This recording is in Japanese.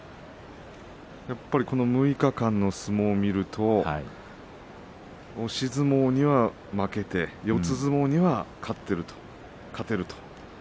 この６日間の相撲を見ると押し相撲には負けて四つ相撲には勝てると。